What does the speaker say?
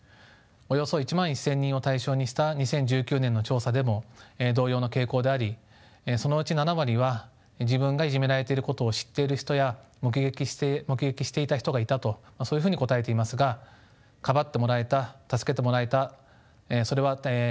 およそ１万１，０００人を対象にした２０１９年の調査でも同様の傾向でありそのうち７割は自分がいじめられていることを知っている人や目撃していた人がいたとそういうふうに答えていますがかばってもらえた助けてもらえたそれは僅か４割弱でした。